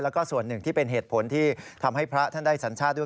แล้วก็ส่วนหนึ่งที่เป็นเหตุผลที่ทำให้พระท่านได้สัญชาติด้วย